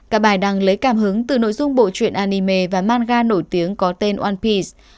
cả bài đăng lấy cảm hứng từ nội dung bộ truyện anime và manga nổi tiếng có tên one piece